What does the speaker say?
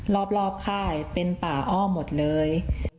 รอบค่ายเป็นป่าอ้อหมดเลย